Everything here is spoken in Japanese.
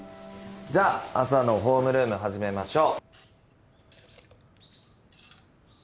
じゃあ朝のホームルーム始めましょう。